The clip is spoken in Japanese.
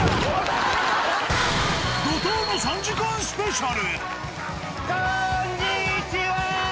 怒とうの３時間スペシャル。